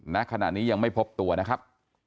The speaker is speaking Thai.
ณขณะนี้ยังไม่พบตัวนะครับ